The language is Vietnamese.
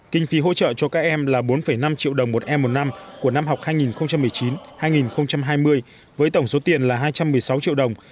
kinh phí hỗ trợ cho các em là bốn năm triệu đồng một em một năm của năm học hai nghìn một mươi chín hai nghìn hai mươi với tổng số tiền là hai trăm một mươi sáu triệu đồng